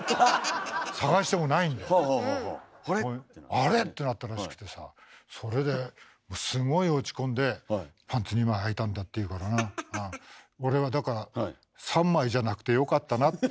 捜してもないんで「あれ？」ってなったらしくてさそれですごい落ち込んでパンツ２枚はいたんだって言うからな俺はだからあいいですね。